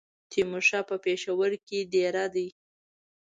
تیمورشاه په پېښور کې دېره دی.